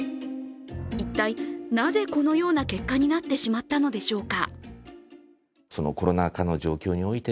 一体なぜ、このような結果になってしまったのでしょうか。